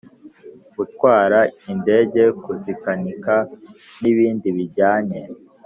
gutwara indege kuzikanika n ibindi bijyanye